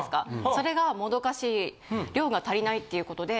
それがもどかしい量が足りないっていうことで。